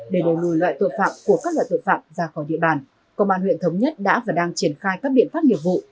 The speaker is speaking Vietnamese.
để đẩy lùi loại tội phạm của các loại tội phạm ra khỏi địa bàn công an huyện thống nhất đã và đang triển khai các biện pháp nghiệp vụ